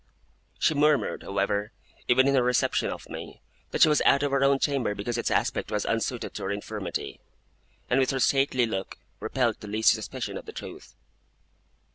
She murmured, however, even in her reception of me, that she was out of her own chamber because its aspect was unsuited to her infirmity; and with her stately look repelled the least suspicion of the truth.